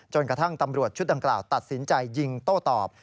กระทั่งตำรวจชุดดังกล่าวตัดสินใจยิงโต้ตอบ